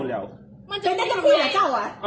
หัวมึงก็มึงซัวเลย